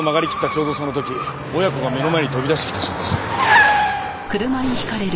ちょうどその時親子が目の前に飛び出してきたそうです。